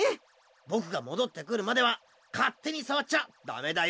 ぼくがもどってくるまではかってにさわっちゃだめだよ。